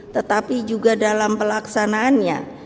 tetapi juga dalam pelaksanaannya